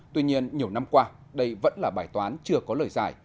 tuy nhiên nhiều năm qua đây vẫn là bài toán chưa có lời giải